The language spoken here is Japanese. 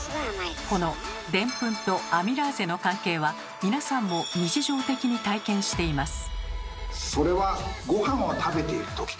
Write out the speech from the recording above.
このデンプンとアミラーゼの関係は皆さんも日常的に体験しています。